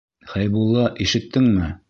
Хәйбулла, ишеттеңме?